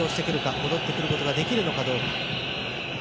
戻ってくることができるのかどうか。